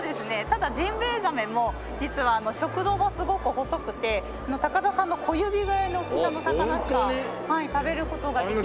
ただジンベエザメも実は食道がすごく細くて高田さんの小指ぐらいの大きさの魚しか食べる事ができない。